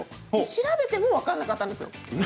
調べても分からなかったんです。